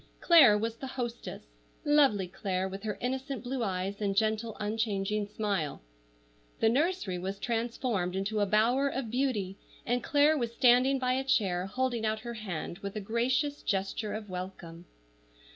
Clare was the hostess,—lovely Clare, with her innocent blue eyes and gentle, unchanging smile. The nursery was transformed into a bower of beauty, and Clare was standing by a chair, holding out her hand with a gracious gesture of welcome.